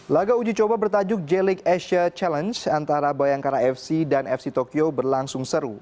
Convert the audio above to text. laga uji coba bertajuk jelik asia challenge antara bayangkara fc dan fc tokyo berlangsung seru